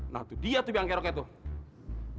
nah tuh dia tuh yang kaya roket tuh